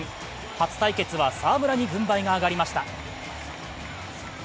初対決は澤村に軍配が上がりました。